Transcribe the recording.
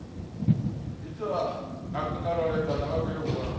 実は亡くなられた長津涼子さん